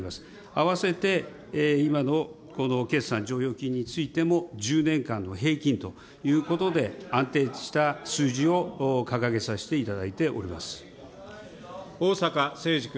合わせて今のこの決算剰余金についても、１０年間の平均ということで、安定した数字を掲げさせていただいております。